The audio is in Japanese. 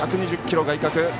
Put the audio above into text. １２０キロ、外角。